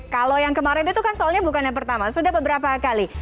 kalau yang kemarin itu kan soalnya bukan yang pertama sudah beberapa kali